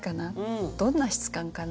どんな質感かな？